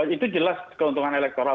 itu jelas keuntungan elektoral